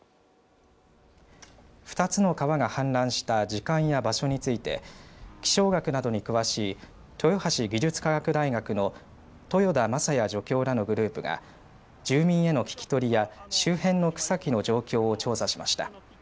２つの川が氾濫した時間や場所について気象学などに詳しい豊橋技術科学大学の豊田将也助教らのグループが住民への聞き取りや周辺の草木の状況を調査しました。